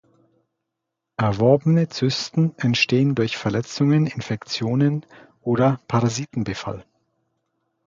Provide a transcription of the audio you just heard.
Erworbene Zysten entstehen durch Verletzungen, Infektionen oder Parasitenbefall.